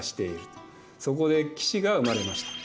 そこで騎士が生まれました。